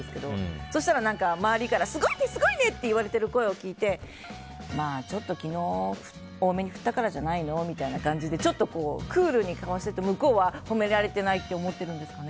そしたら周りからすごいね、すごいねって言われてる声を聞いてまあちょっと昨日多めに振ったからじゃないのみたいな感じでちょっとクールな顔してると向こうは褒められてないって思ってるんですかね。